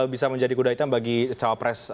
bisa menjadi kuda hitam bagi cawapres